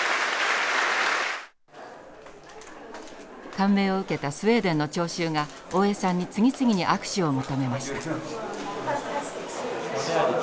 感銘を受けたスウェーデンの聴衆が大江さんに次々に握手を求めました。